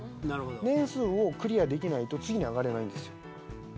年数をクリアできないと次に上がれないんですよ。